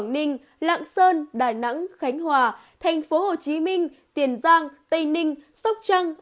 quảng ninh lạng sơn đà nẵng khánh hòa thành phố hồ chí minh tiền giang tây ninh sóc trăng